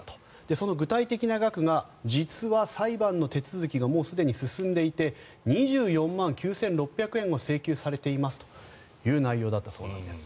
その具体的な額が実は裁判の手続きがもうすでに進んでいて２４万９６００円を請求されていますという内容だったそうです。